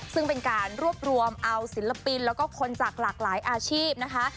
ซึ่งเป็นการรวบรวมเอาศิลปินแล้วก็คนจากหลากหลายอาชีพนะคะ